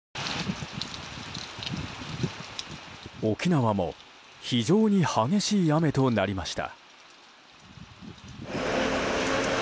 沖縄も非常に激しい雨となりました。